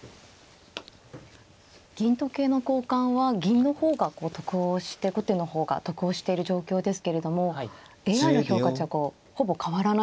銀と桂の交換は銀の方が得をして後手の方が得をしている状況ですけれどもＡＩの評価値はほぼ変わらないんですが。